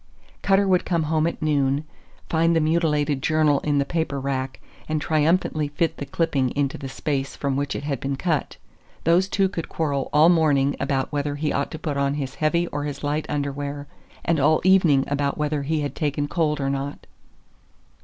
Cutter would come home at noon, find the mutilated journal in the paper rack, and triumphantly fit the clipping into the space from which it had been cut. Those two could quarrel all morning about whether he ought to put on his heavy or his light underwear, and all evening about whether he had taken cold or not.